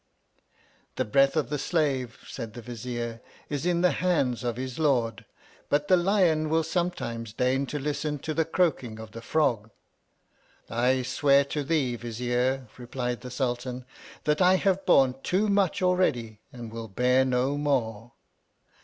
The breath of the slave, said the Vizier, is in the hands of his Lord, but the Lion will sometimes deign to listen to the croaking of the frog. I swear to thee, Vizier, replied the Sultan, that I have borne too much already and will bear no more.